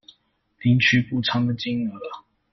領取補償的金額